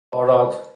آراد